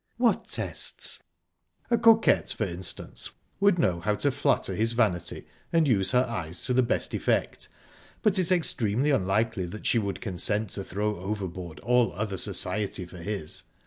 "What tests?" "A coquette, for instance, would know how to flatter his vanity and use her eyes to the best effect, but it's extremely unlikely that she would consent to throw overboard all other society for his.